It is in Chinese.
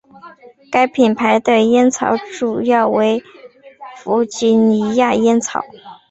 该品牌的烟草主要为弗吉尼亚烟草。